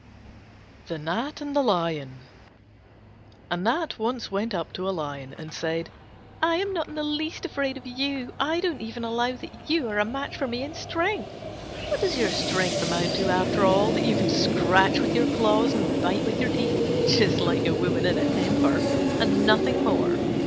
THE GNAT AND THE LION A Gnat once went up to a Lion and said, "I am not in the least afraid of you: I don't even allow that you are a match for me in strength. What does your strength amount to after all? That you can scratch with your claws and bite with your teeth just like a woman in a temper and nothing more.